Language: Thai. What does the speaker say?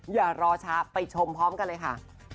อย่ารอช้าไปชมพร้อมกันเลยค่ะ